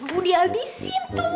bu dihabisin tuh